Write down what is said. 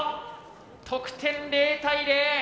得点０対０。